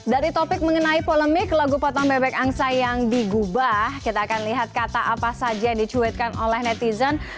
dari topik mengenai polemik lagu potong bebek angsa yang digubah kita akan lihat kata apa saja yang dicuitkan oleh netizen